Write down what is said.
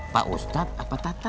pak ustadz apa tata